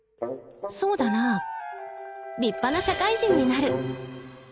そうだなぁ立派な社会人になる。